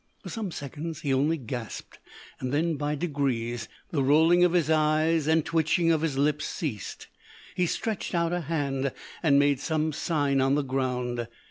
For some seconds he only gasped; then, by degrees, the rolling of his eyes and twitching of his lips ceased. He stretched out a hand and made some sign on the ground.